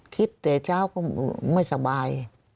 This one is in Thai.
คิดแต่เช้าก็ไม่สบาย